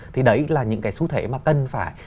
thì đấy là những cái xu thế mà cần phải